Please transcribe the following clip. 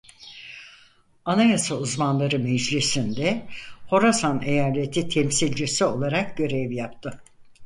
Anayasa Uzmanları Meclisi'nde Horasan Eyaleti temsilcisi olarak görev yaptı.